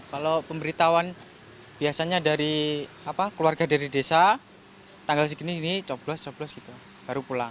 kalau pemberitahuan biasanya dari keluarga dari desa tanggal segini sini coblos coblos gitu baru pulang